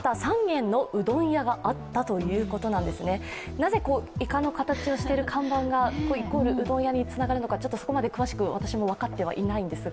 なぜいかの形をしている看板がイコールうどん屋につながるのかちょっとそこまで詳しく私も分かってはいないんですが。